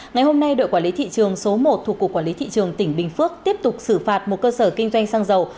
ngày hôm nay đội quản lý thị trường số một thuộc cục quản lý thị trường tỉnh bình phước tiếp tục xử phạt một cơ sở kinh doanh xăng dầu